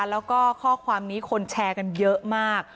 แล้วก็ข้อความนี้คนแชร์กันเยอะมาก